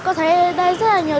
hôm nay con mua rất là nhiều đồ